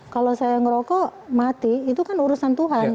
kalau saya ngerokok mati itu kan urusan tuhan